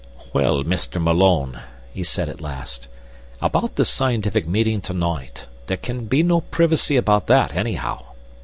"Well, Mr. Malone," he said at last, "about this scientific meeting to night; there can be no privacy about that, anyhow.